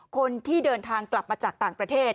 คนที่เดินทางกลับมาจากต่างประเทศ